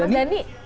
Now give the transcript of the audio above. kalau mas dany